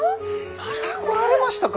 また来られましたか。